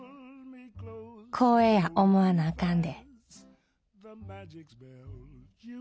光栄や思わなあかんで」。